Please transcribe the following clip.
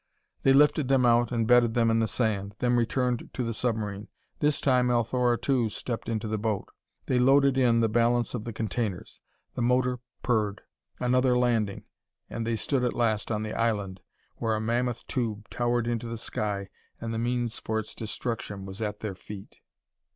They lifted them out and bedded them in the sand, then returned to the submarine. This time Althora, too, stepped into the boat. They loaded in the balance of the containers; the motor purred. Another landing, and they stood at last on the island, where a mammoth tube towered into the sky and the means for its destruction was at their feet.